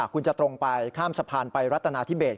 คุณจะตรงไปข้ามสะพานไปรัตนาธิเบส